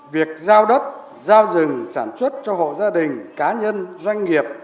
việc giao đất giao rừng sản xuất cho hộ gia đình cá nhân doanh nghiệp